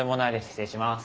失礼します。